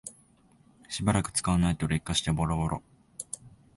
しばらく使わないと劣化してボロボロ